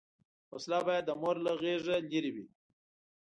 وسله باید د مور له غېږه لرې وي